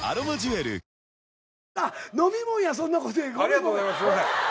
ありがとうございます。